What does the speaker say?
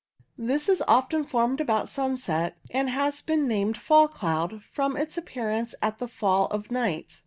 This is often formed about sunset, and has been named fall cloud, from its appearance at the fall of night.